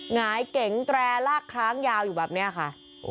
หงายเก๋งแตรลากค้างยาวอยู่แบบนี้ค่ะ